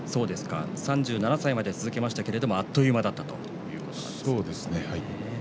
３７歳まで続けましたけどあっという間だったということですね。